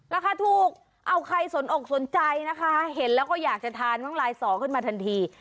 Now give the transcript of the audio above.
ราคาถูกเอาใครสนอกสนใจนะคะเห็นแล้วก็อยากจะทานน้องลายสอขึ้นมาทันที